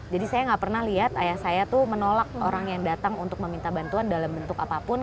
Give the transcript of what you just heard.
jadi saya nggak pernah lihat ayah saya menolak orang yang datang untuk meminta bantuan dalam bentuk apapun